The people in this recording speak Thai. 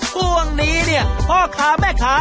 ถ้าอย่างนี้พ่อค่ะแม่ค่ะ